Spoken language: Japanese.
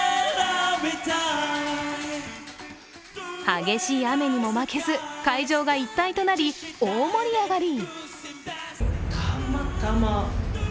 激しい雨にも負けず会場が一体となり大盛り上がり。